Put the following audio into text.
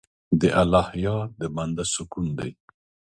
د الله یاد د بنده سکون دی.